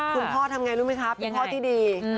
คุณพ่อทำอย่างไรรู้ไหมคะพี่พ่อที่ดี